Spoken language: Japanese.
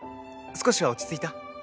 少しは落ち着いた？